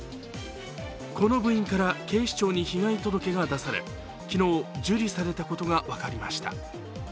この部員から警視庁に被害届が出され、昨日、受理されたことが分かりました。